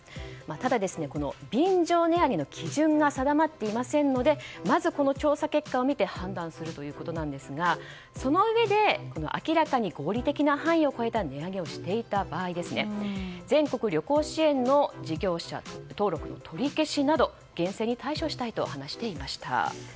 ただ、便乗値上げの基準が定まっていませんのでまず、この調査結果を見て判断するということですがそのうえで明らかに合理的な範囲を超えた値上げをしていた場合全国旅行支援の事業者登録の取り消しなど厳正に対処したいと話していました。